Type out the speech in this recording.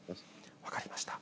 分かりました。